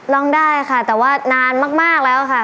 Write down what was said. ร้องได้ค่ะแต่ว่านานมากแล้วค่ะ